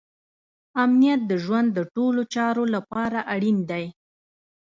امنیت د ژوند د ټولو چارو لپاره اړین دی.